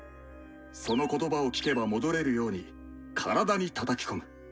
その言葉を聞けば戻れるように体にたたき込む。